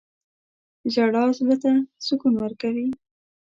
• ژړا زړه ته سکون ورکوي.